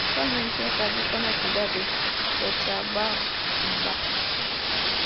Actualmente radica en la ciudad de Cochabamba.